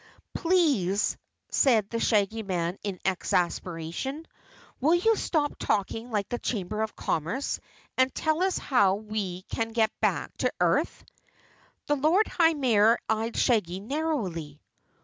"Please," said the Shaggy Man in exasperation. "Will you stop talking like the Chamber of Commerce and tell us how we can get back to earth?" The Lord High Mayor eyed Shaggy narrowly.